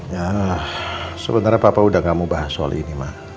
ya sebenarnya papa udah gak mau bahas soal ini mah